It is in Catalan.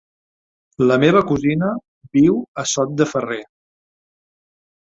La meva cosina viu a Sot de Ferrer.